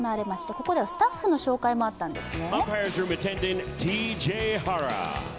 ここではスタッフの紹介もあったんですね。